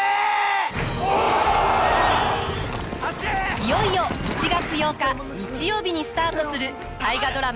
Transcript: いよいよ１月８日日曜日にスタートする大河ドラマ